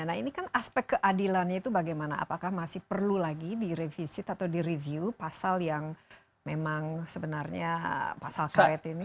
nah ini kan aspek keadilannya itu bagaimana apakah masih perlu lagi direvisit atau direview pasal yang memang sebenarnya pasal karet ini